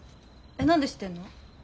何で知ってんの？